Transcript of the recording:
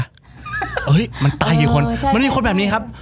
เฮ้ยมันตายกี่คนมันมีคนแบบนี้ครับ